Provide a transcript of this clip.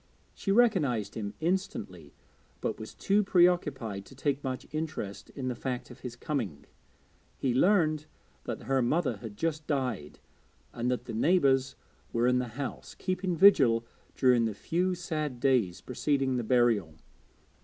She recognised him instantly, but was too pre occupied to take much interest in the fact of his coming. He learned that her mother had just died, and that the neighbours were in the house, keeping vigil during the few sad days preceding the burial.